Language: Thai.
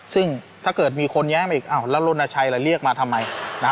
ซึ่งถ้าเกิดมีคนแยกมาอีกแล้วโรนาชัยเรียกมาทำไม